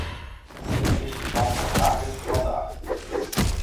Dat is de stand van zaken vandaag.